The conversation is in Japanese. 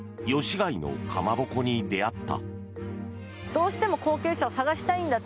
開のかまぼこに出会った。